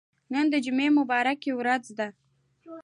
نن د جمعه مبارکه ورځ ده.